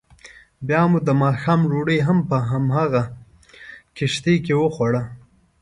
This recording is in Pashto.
بیا مو دماښام ډوډۍ هم په همغه کښتۍ کې وخوړه.